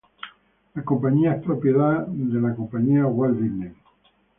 La compañía es propiedad de The Walt Disney Company.